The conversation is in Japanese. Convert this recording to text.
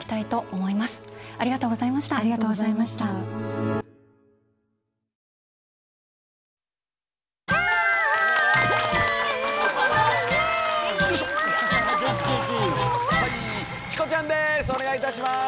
お願いいたします。